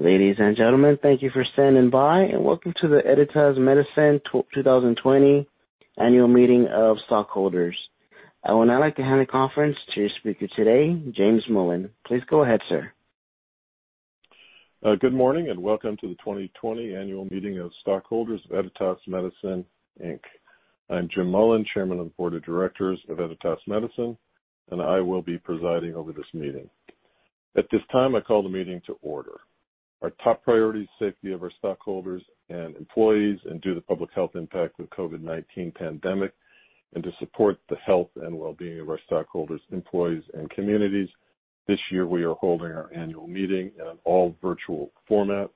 Ladies and gentlemen, thank you for standing by, and welcome to the Editas Medicine 2020 Annual Meeting of Stockholders. I would now like to hand the conference to your speaker today, James Mullen. Please go ahead, sir. Good morning, welcome to the 2020 Annual Meeting of Stockholders of Editas Medicine Inc. I'm Jim Mullen, Chairman of the Board of Directors of Editas Medicine, and I will be presiding over this meeting. At this time, I call the meeting to order. Our top priority is safety of our stockholders and employees and due to the public health impact of the COVID-19 pandemic, and to support the health and wellbeing of our stockholders, employees, and communities, this year, we are holding our annual meeting in an all virtual format,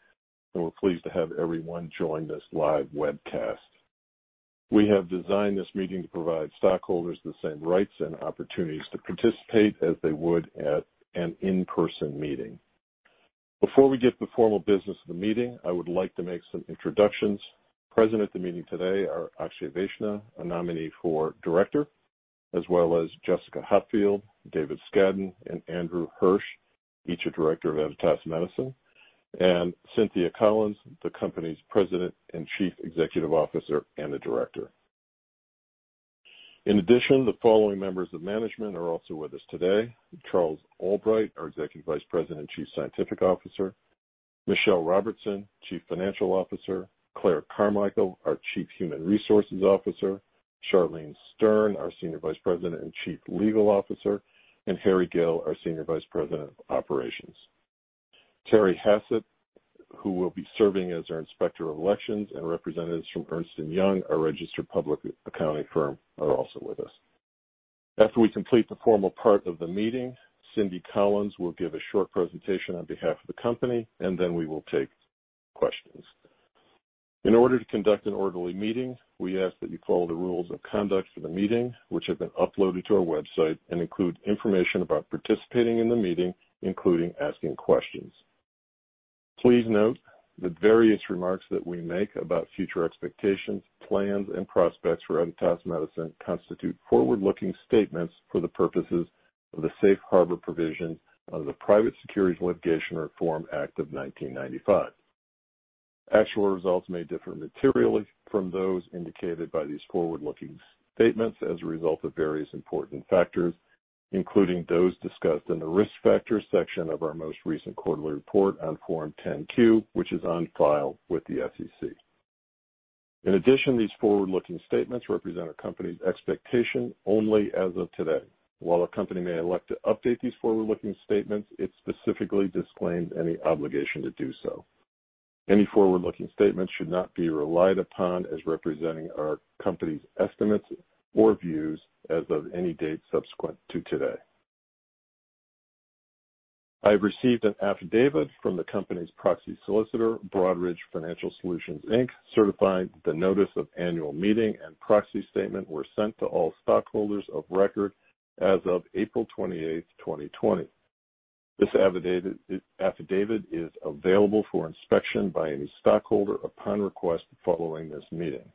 and we're pleased to have everyone join this live webcast. We have designed this meeting to provide stockholders the same rights and opportunities to participate as they would at an in-person meeting. Before we get to the formal business of the meeting, I would like to make some introductions. Present at the meeting today are Akshay Vaishnaw, a nominee for Director, as well as Jessica Hopfield, David Scadden, and Andrew Hirsch, each a Director of Editas Medicine. Cynthia Collins, the company's President and Chief Executive Officer and a director. In addition, the following members of management are also with us today. Charles Albright, our Executive Vice President and Chief Scientific Officer. Michelle Robertson, Chief Financial Officer. Clare Carmichael, our Chief Human Resources Officer. Charlene Stern, our Senior Vice President and Chief Legal Officer, and Harry Gill, our Senior Vice President of Operations. Terry Hassett, who will be serving as our Inspector of Elections, and representatives from Ernst & Young, our registered public accounting firm, are also with us. After we complete the formal part of the meeting, Cindy Collins will give a short presentation on behalf of the company, and then we will take questions. In order to conduct an orderly meeting, we ask that you follow the rules of conduct for the meeting, which have been uploaded to our website and include information about participating in the meeting, including asking questions. Please note that various remarks that we make about future expectations, plans, and prospects for Editas Medicine constitute forward-looking statements for the purposes of the safe harbor provisions of the Private Securities Litigation Reform Act of 1995. Actual results may differ materially from those indicated by these forward-looking statements as a result of various important factors, including those discussed in the Risk Factors section of our most recent quarterly report on Form 10-Q, which is on file with the SEC. These forward-looking statements represent our company's expectation only as of today. While our company may elect to update these forward-looking statements, it specifically disclaims any obligation to do so. Any forward-looking statements should not be relied upon as representing our company's estimates or views as of any date subsequent to today. I have received an affidavit from the company's proxy solicitor, Broadridge Financial Solutions Inc., certifying that the notice of annual meeting and proxy statement were sent to all stockholders of record as of April 28th, 2020. This affidavit is available for inspection by any stockholder upon request following this meeting.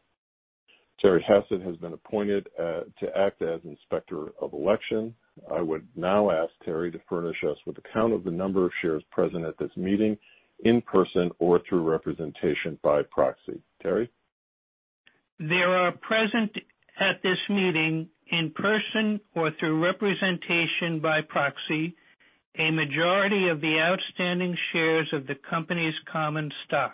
Terry Hassett has been appointed to act as Inspector of Elections. I would now ask Terry to furnish us with a count of the number of shares present at this meeting in person or through representation by proxy. Terry? There are present at this meeting in person or through representation by proxy, a majority of the outstanding shares of the company's common stock.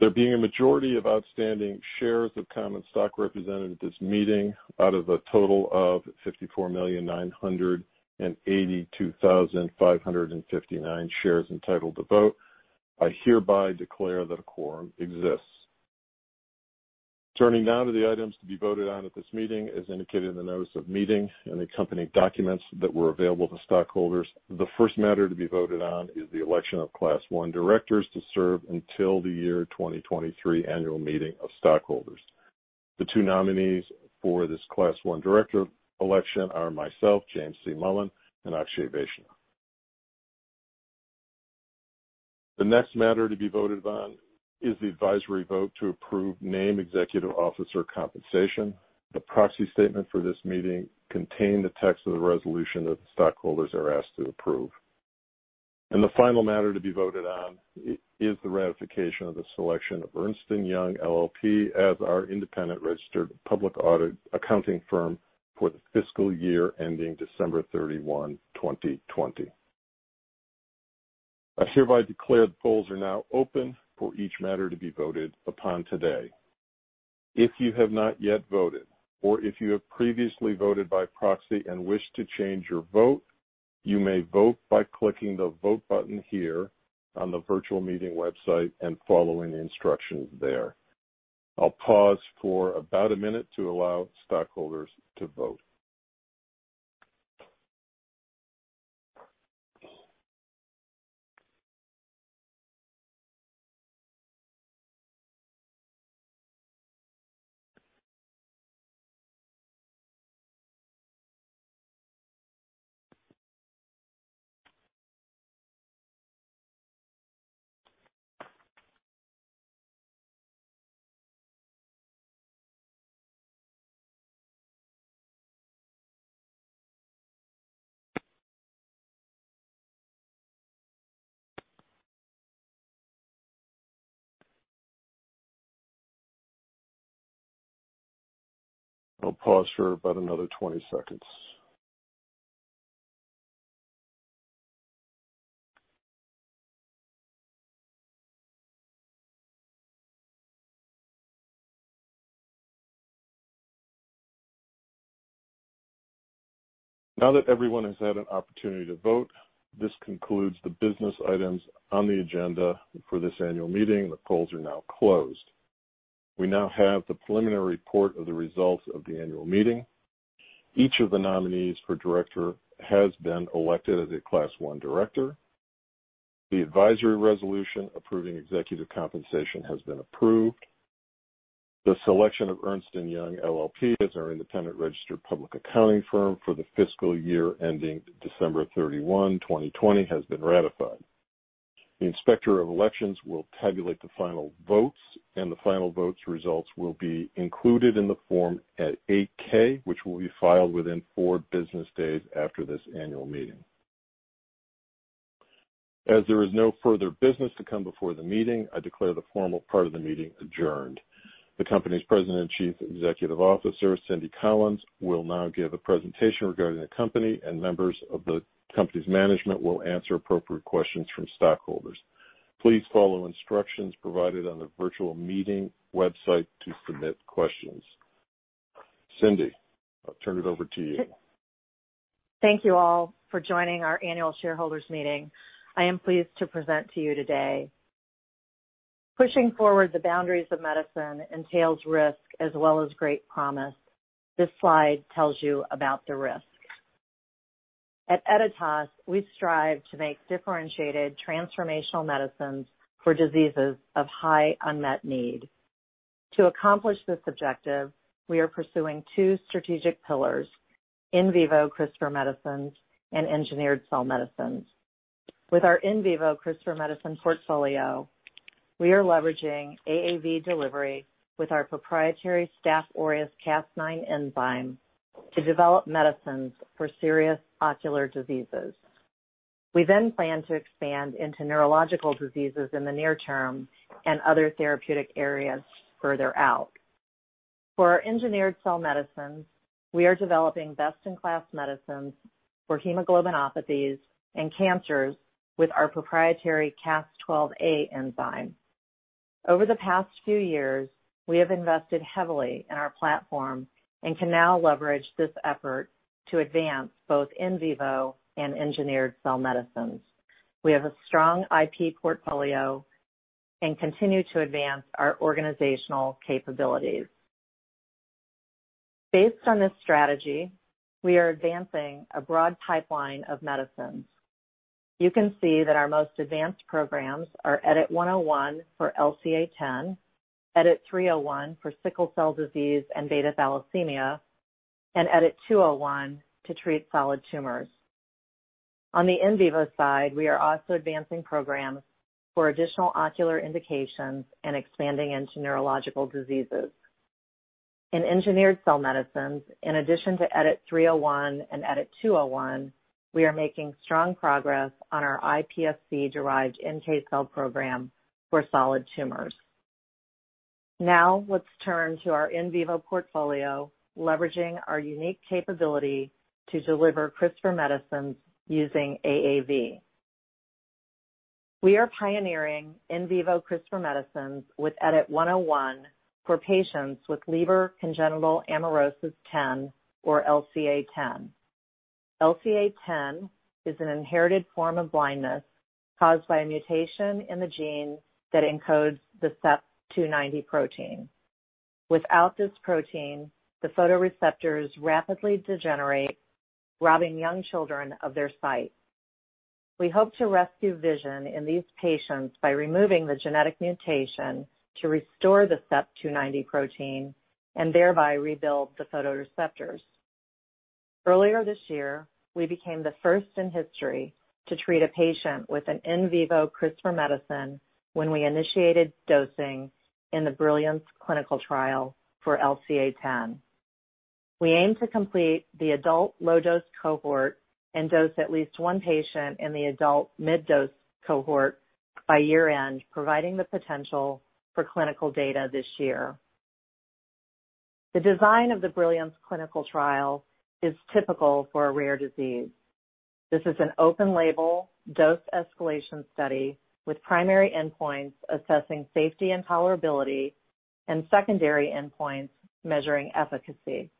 There being a majority of outstanding shares of common stock represented at this meeting out of a total of 54,982,559 shares entitled to vote, I hereby declare that a quorum exists. Turning now to the items to be voted on at this meeting, as indicated in the notice of meeting and accompanying documents that were available to stockholders, the first matter to be voted on is the election of Class I directors to serve until the year 2023 annual meeting of stockholders. The two nominees for this Class I director election are myself, James C. Mullen, and Akshay Vaishnaw. The next matter to be voted on is the advisory vote to approve named executive officer compensation. The proxy statement for this meeting contained the text of the resolution that the stockholders are asked to approve. The final matter to be voted on is the ratification of the selection of Ernst & Young LLP as our independent registered public audit accounting firm for the fiscal year ending December 31, 2020. I hereby declare the polls are now open for each matter to be voted upon today. If you have not yet voted or if you have previously voted by proxy and wish to change your vote, you may vote by clicking the Vote button here on the virtual meeting website and following the instructions there. I'll pause for about a minute to allow stockholders to vote. I'll pause for about another 20 seconds. Now that everyone has had an opportunity to vote, this concludes the business items on the agenda for this annual meeting. The polls are now closed. We now have the preliminary report of the results of the annual meeting. Each of the nominees for director has been elected as a Class I director. The advisory resolution approving executive compensation has been approved. The selection of Ernst & Young LLP as our independent registered public accounting firm for the fiscal year ending December 31, 2020, has been ratified. The Inspector of Elections will tabulate the final votes, and the final votes results will be included in the Form at 8-K, which will be filed within four business days after this annual meeting. As there is no further business to come before the meeting, I declare the formal part of the meeting adjourned. The company's President and Chief Executive Officer, Cindy Collins, will now give a presentation regarding the company, and members of the company's management will answer appropriate questions from stockholders. Please follow instructions provided on the virtual meeting website to submit questions. Cindy, I'll turn it over to you. Thank you all for joining our annual shareholders meeting. I am pleased to present to you today. Pushing forward the boundaries of medicine entails risk as well as great promise. This slide tells you about the risk. At Editas, we strive to make differentiated transformational medicines for diseases of high unmet need. To accomplish this objective, we are pursuing two strategic pillars, in vivo CRISPR medicines and engineered cell medicines. With our in vivo CRISPR medicine portfolio, we are leveraging AAV delivery with our proprietary Staph aureus Cas9 enzyme to develop medicines for serious ocular diseases. We plan to expand into neurological diseases in the near term and other therapeutic areas further out. For our engineered cell medicines, we are developing best-in-class medicines for hemoglobinopathies and cancers with our proprietary Cas12a enzyme. Over the past few years, we have invested heavily in our platform and can now leverage this effort to advance both in vivo and engineered cell medicines. We have a strong IP portfolio and continue to advance our organizational capabilities. Based on this strategy, we are advancing a broad pipeline of medicines. You can see that our most advanced programs are EDIT-101 for LCA10, EDIT-301 for sickle cell disease and beta thalassemia, and EDIT-201 to treat solid tumors. On the in vivo side, we are also advancing programs for additional ocular indications and expanding into neurological diseases. In engineered cell medicines, in addition to EDIT-301 and EDIT-201, we are making strong progress on our iPSC-derived NK cell program for solid tumors. Now let's turn to our in vivo portfolio, leveraging our unique capability to deliver CRISPR medicines using AAV. We are pioneering in vivo CRISPR medicines with EDIT-101 for patients with Leber Congenital Amaurosis 10, or LCA10. LCA10 is an inherited form of blindness caused by a mutation in the gene that encodes the CEP290 protein. Without this protein, the photoreceptors rapidly degenerate, robbing young children of their sight. We hope to rescue vision in these patients by removing the genetic mutation to restore the CEP290 protein and thereby rebuild the photoreceptors. Earlier this year, we became the first in history to treat a patient with an in vivo CRISPR medicine when we initiated dosing in the BRILLIANCE clinical trial for LCA10. We aim to complete the adult low-dose cohort and dose at least one patient in the adult mid-dose cohort by year-end, providing the potential for clinical data this year. The design of the BRILLIANCE clinical trial is typical for a rare disease. This is an open-label dose escalation study with primary endpoints assessing safety and tolerability and secondary endpoints measuring efficacy.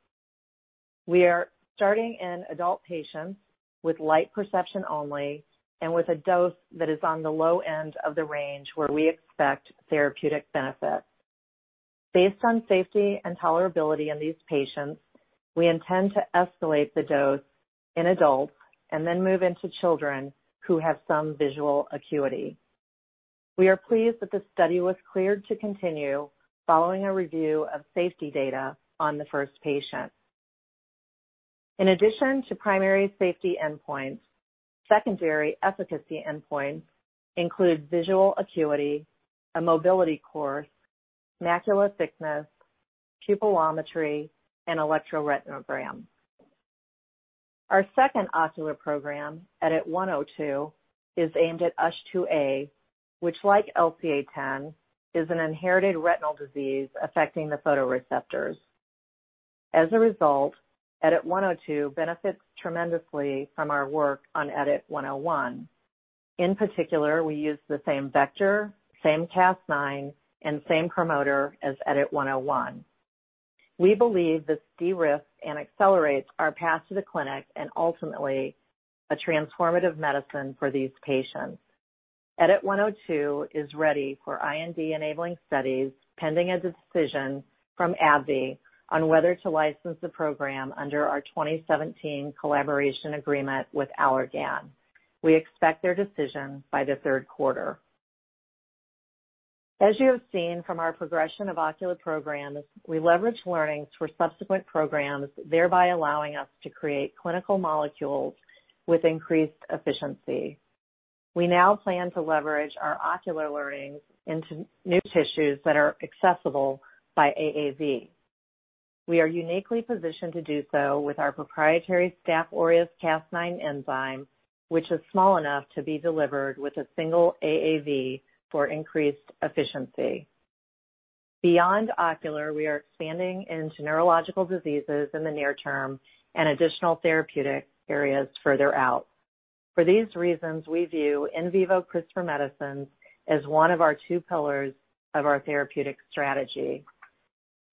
We are starting in adult patients with light perception only and with a dose that is on the low end of the range where we expect therapeutic benefit. Based on safety and tolerability in these patients, we intend to escalate the dose in adults and then move into children who have some visual acuity. We are pleased that the study was cleared to continue following a review of safety data on the first patient. In addition to primary safety endpoints, secondary efficacy endpoints include visual acuity, a mobility course, macular thickness, pupillometry, and electroretinogram. Our second ocular program, EDIT-102, is aimed at USH2A, which like LCA10, is an inherited retinal disease affecting the photoreceptors. As a result, EDIT-102 benefits tremendously from our work on EDIT-101. In particular, we use the same vector, same Cas9, and same promoter as EDIT-101. We believe this de-risks and accelerates our path to the clinic and ultimately a transformative medicine for these patients. EDIT-102 is ready for IND-enabling studies pending a decision from AbbVie on whether to license the program under our 2017 collaboration agreement with Allergan. We expect their decision by the third quarter. As you have seen from our progression of ocular programs, we leverage learnings for subsequent programs, thereby allowing us to create clinical molecules with increased efficiency. We now plan to leverage our ocular learnings into new tissues that are accessible by AAV. We are uniquely positioned to do so with our proprietary Staph aureus Cas9 enzyme, which is small enough to be delivered with a single AAV for increased efficiency. Beyond ocular, we are expanding into neurological diseases in the near term and additional therapeutic areas further out. For these reasons, we view in vivo CRISPR medicines as one of our two pillars of our therapeutic strategy.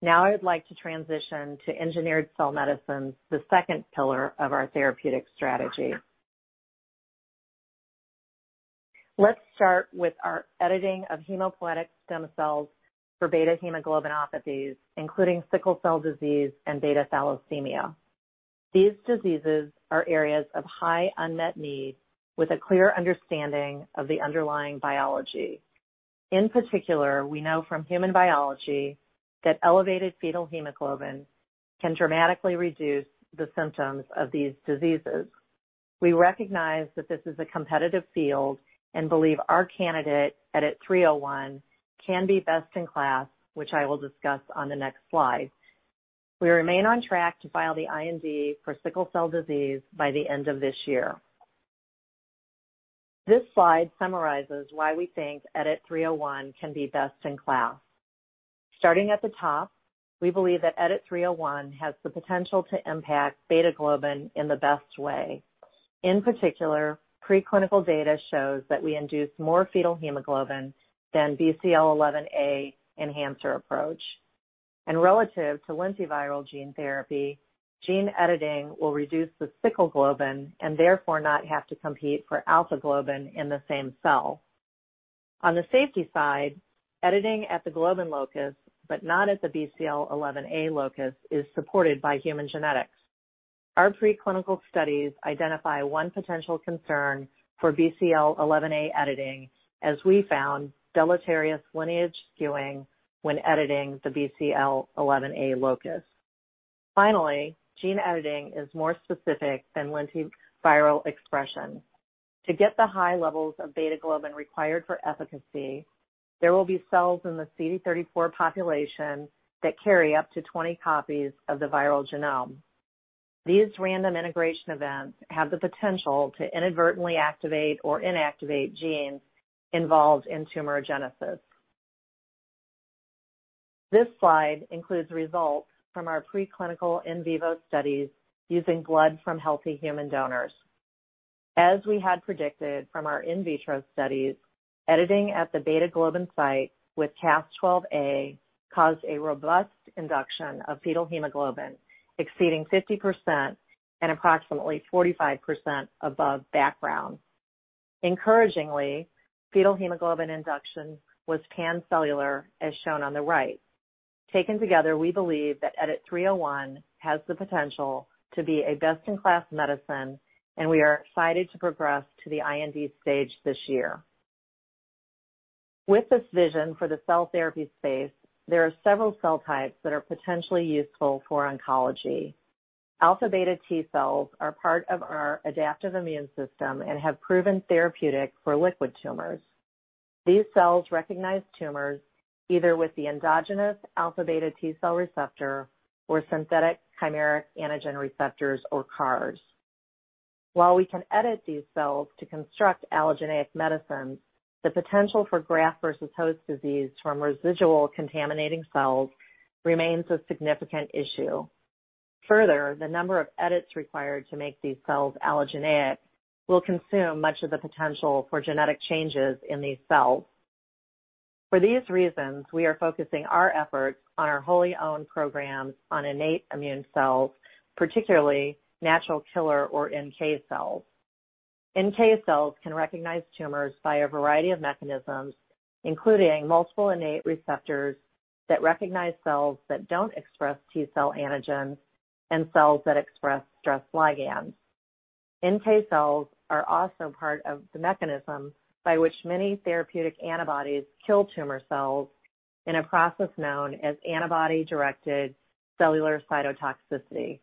Now I would like to transition to engineered cell medicines, the second pillar of our therapeutic strategy. Let's start with our editing of hematopoietic stem cells for beta hemoglobinopathies, including sickle cell disease and beta thalassemia. These diseases are areas of high unmet need with a clear understanding of the underlying biology. In particular, we know from human biology that elevated fetal hemoglobin can dramatically reduce the symptoms of these diseases. We recognize that this is a competitive field and believe our candidate, EDIT-301, can be best in class, which I will discuss on the next slide. We remain on track to file the IND for sickle cell disease by the end of this year. This slide summarizes why we think EDIT-301 can be best in class. Starting at the top, we believe that EDIT-301 has the potential to impact beta globin in the best way. In particular, preclinical data shows that we induce more fetal hemoglobin than BCL11A enhancer approach. Relative to lentiviral gene therapy, gene editing will reduce the sickle globin and therefore not have to compete for alpha globin in the same cell. On the safety side, editing at the globin locus, but not at the BCL11A locus, is supported by human genetics. Our preclinical studies identify one potential concern for BCL11A editing, as we found deleterious lineage skewing when editing the BCL11A locus. Finally, gene editing is more specific than lentiviral expression. To get the high levels of beta globin required for efficacy, there will be cells in the CD34 population that carry up to 20 copies of the viral genome. These random integration events have the potential to inadvertently activate or inactivate genes involved in tumorigenesis. This slide includes results from our preclinical in vivo studies using blood from healthy human donors. As we had predicted from our in vitro studies, editing at the beta globin site with Cas12a caused a robust induction of fetal hemoglobin, exceeding 50% and approximately 45% above background. Encouragingly, fetal hemoglobin induction was pan-cellular, as shown on the right. Taken together, we believe that EDIT-301 has the potential to be a best-in-class medicine, and we are excited to progress to the IND stage this year. With this vision for the cell therapy space, there are several cell types that are potentially useful for oncology. Alpha-beta T cells are part of our adaptive immune system and have proven therapeutic for liquid tumors. These cells recognize tumors either with the endogenous alpha-beta T cell receptor or synthetic chimeric antigen receptors or CARs. While we can edit these cells to construct allogeneic medicines, the potential for graft versus host disease from residual contaminating cells remains a significant issue. The number of edits required to make these cells allogeneic will consume much of the potential for genetic changes in these cells. For these reasons, we are focusing our efforts on our wholly owned programs on innate immune cells, particularly natural killer or NK cells. NK cells can recognize tumors by a variety of mechanisms, including multiple innate receptors that recognize cells that don't express T cell antigens and cells that express stress ligands. NK cells are also part of the mechanism by which many therapeutic antibodies kill tumor cells in a process known as antibody-dependent cellular cytotoxicity.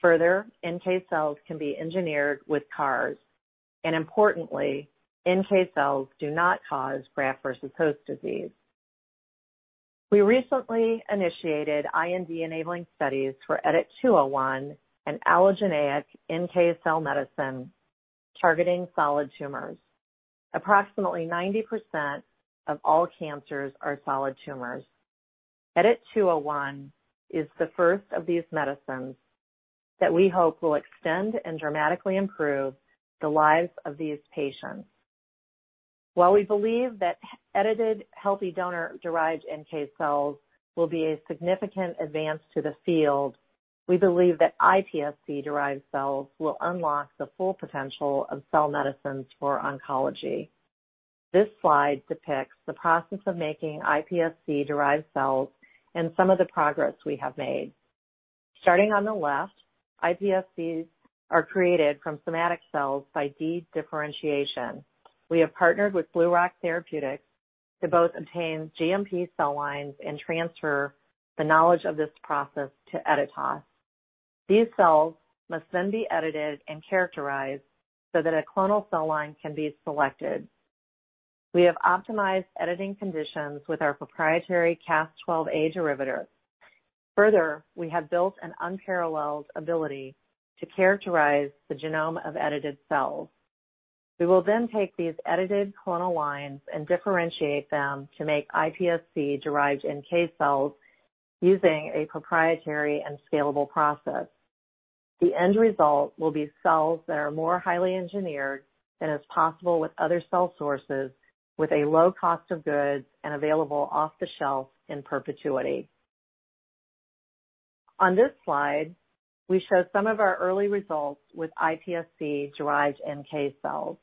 Further, NK cells can be engineered with CARs, and importantly, NK cells do not cause graft versus host disease. We recently initiated IND-enabling studies for EDIT-201, an allogeneic NK cell medicine targeting solid tumors. Approximately 90% of all cancers are solid tumors. EDIT-201 is the first of these medicines that we hope will extend and dramatically improve the lives of these patients. While we believe that edited, healthy donor-derived NK cells will be a significant advance to the field, we believe that iPSC-derived cells will unlock the full potential of cell medicines for oncology. This slide depicts the process of making iPSC-derived cells and some of the progress we have made. Starting on the left, iPSCs are created from somatic cells by de-differentiation. We have partnered with BlueRock Therapeutics to both obtain GMP cell lines and transfer the knowledge of this process to Editas. These cells must be edited and characterized so that a clonal cell line can be selected. We have optimized editing conditions with our proprietary Cas12a derivative. We have built an unparalleled ability to characterize the genome of edited cells. We will take these edited clonal lines and differentiate them to make iPSC-derived NK cells using a proprietary and scalable process. The end result will be cells that are more highly engineered than is possible with other cell sources, with a low cost of goods and available off the shelf in perpetuity. On this slide, we show some of our early results with iPSC-derived NK cells.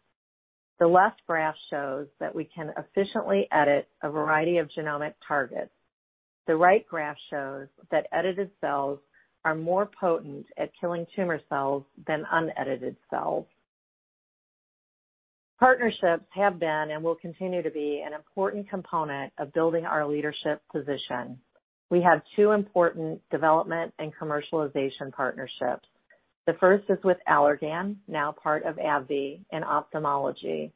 The left graph shows that we can efficiently edit a variety of genomic targets. The right graph shows that edited cells are more potent at killing tumor cells than unedited cells. Partnerships have been and will continue to be an important component of building our leadership position. We have two important development and commercialization partnerships. The first is with Allergan, now part of AbbVie, in ophthalmology.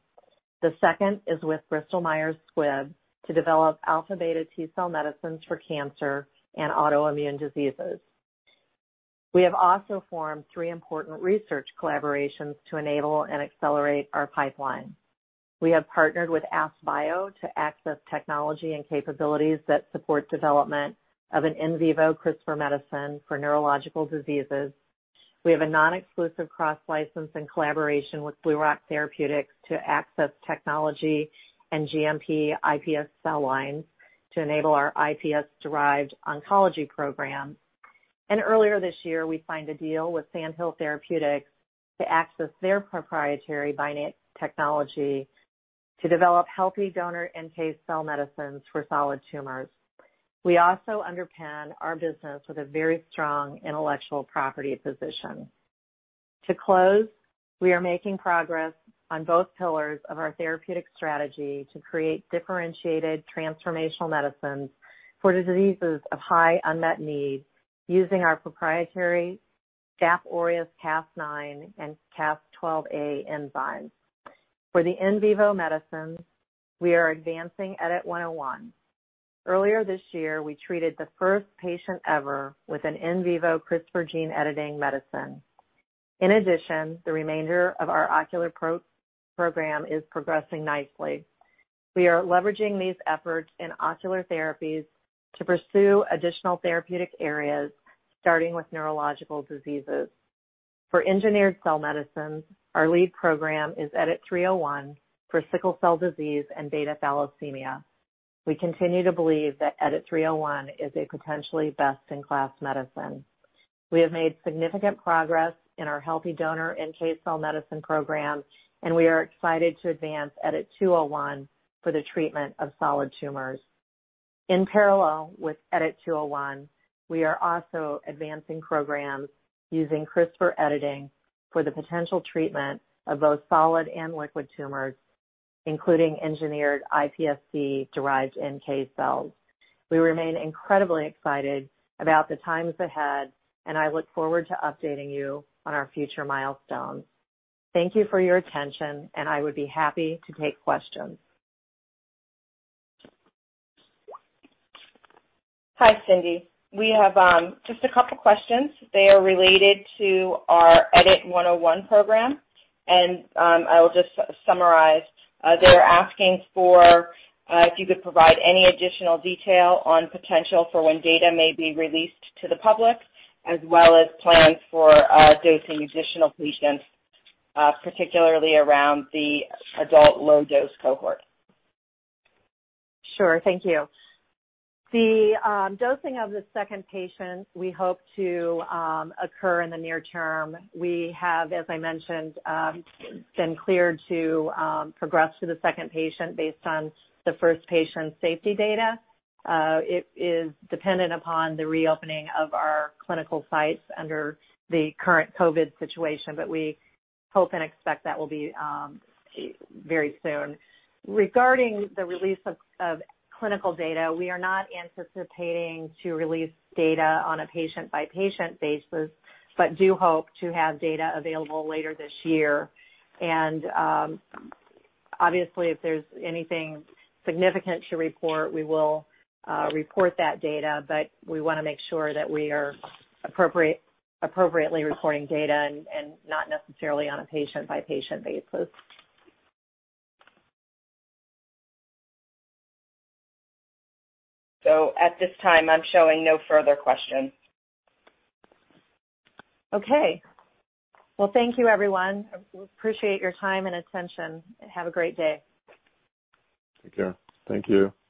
The second is with Bristol Myers Squibb to develop alpha-beta T cell medicines for cancer and autoimmune diseases. We have also formed three important research collaborations to enable and accelerate our pipeline. We have partnered with AskBio to access technology and capabilities that support development of an in vivo CRISPR medicine for neurological diseases. We have a non-exclusive cross-license and collaboration with BlueRock Therapeutics to access technology and GMP iPS cell lines to enable our iPS-derived oncology program. Earlier this year, we signed a deal with Sandhill Therapeutics to access their proprietary technology to develop healthy donor NK cell medicines for solid tumors. We also underpin our business with a very strong intellectual property position. To close, we are making progress on both pillars of our therapeutic strategy to create differentiated transformational medicines for diseases of high unmet need using our proprietary Staph aureus Cas9 and Cas12a enzymes. For the in vivo medicines, we are advancing EDIT-101. Earlier this year, we treated the first patient ever with an in vivo CRISPR gene editing medicine. In addition, the remainder of our ocular program is progressing nicely. We are leveraging these efforts in ocular therapies to pursue additional therapeutic areas, starting with neurological diseases. For engineered cell medicines, our lead program is EDIT-301 for sickle cell disease and beta thalassemia. We continue to believe that EDIT-301 is a potentially best-in-class medicine. We have made significant progress in our healthy donor NK cell medicine program, and we are excited to advance EDIT-201 for the treatment of solid tumors. In parallel with EDIT-201, we are also advancing programs using CRISPR editing for the potential treatment of both solid and liquid tumors, including engineered iPSC-derived NK cells. We remain incredibly excited about the times ahead, and I look forward to updating you on our future milestones. Thank you for your attention, and I would be happy to take questions. Hi, Cindy. We have just a couple questions. They are related to our EDIT-101 program, and I will just summarize. They're asking if you could provide any additional detail on potential for when data may be released to the public, as well as plans for dosing additional patients, particularly around the adult low-dose cohort. Sure. Thank you. The dosing of the second patient we hope to occur in the near term. We have, as I mentioned, been cleared to progress to the second patient based on the first patient's safety data. It is dependent upon the reopening of our clinical sites under the current COVID situation, but we hope and expect that will be very soon. Regarding the release of clinical data, we are not anticipating to release data on a patient-by-patient basis, but do hope to have data available later this year. Obviously, if there's anything significant to report, we will report that data, but we want to make sure that we are appropriately reporting data and not necessarily on a patient-by-patient basis. At this time, I'm showing no further questions. Okay. Well, thank you everyone. Appreciate your time and attention, and have a great day. Take care. Thank you.